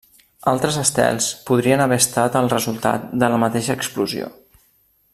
Altres estels podrien haver estat el resultat de la mateixa explosió.